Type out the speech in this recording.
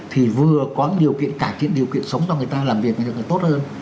thì vừa có điều kiện cải thiện điều kiện sống cho người ta làm việc tốt hơn